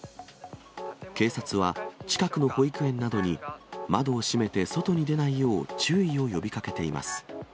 警察は、近くの保育園などに窓を閉めて外に出ないよう注意を呼びかけています。